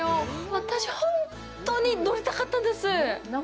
私、本当に乗りたかったんです。